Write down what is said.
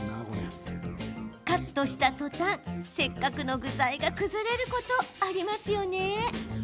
カットしたとたんせっかくの具材が崩れることありますよね？